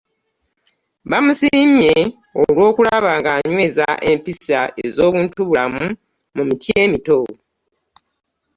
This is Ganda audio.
Bamusiimye olw'okulaba ng'anyweza empisa ez'obuntubulamu mu miti emito